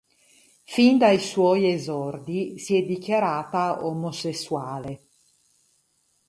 Fin dai suoi esordi, si è dichiarata omosessuale.